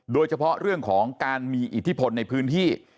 โดยเฉพาะเรื่องของการมีอิทธิพลในพื้นที่